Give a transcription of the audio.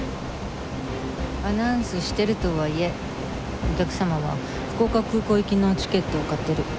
アナウンスしてるとはいえお客様は福岡空港行きのチケットを買ってる。